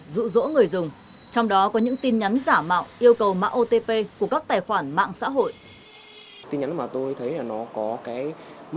rụ rỗ người dùng trong đó có những tin nhắn giả mạo yêu cầu mạng otp của các tài khoản mạng xã hội